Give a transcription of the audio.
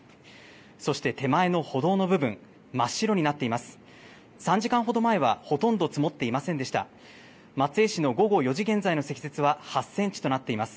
そして手前の歩道の部分、真っ白になっています。